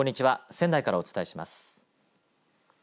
仙台からお伝えします。